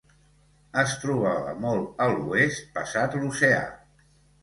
Es trobava molt a l'oest, passat l'oceà.